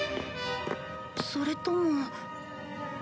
それとも。